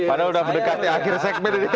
padahal udah mendekati akhir segmen ini